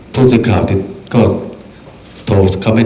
ผู้สื่อข่าวติดก็โทรเขาไม่ติด